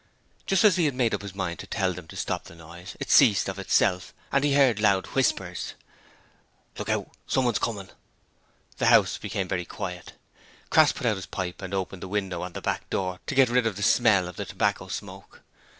Just as he had made up his mind to tell them to stop the noise, it ceased of itself and he heard loud whispers: 'Look out! Someone's comin'.' The house became very quiet. Crass put out his pipe and opened the window and the back door to get rid of the smell of the tobacco smoke.